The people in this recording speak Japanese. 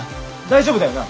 大丈夫だよな？